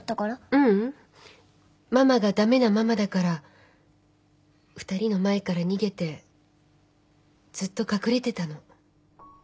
ううんママが駄目なママだから２人の前から逃げてずっと隠れてたの。